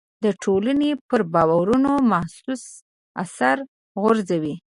د ټولنې پر باورونو محسوس اثر غورځوي.